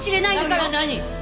だから何？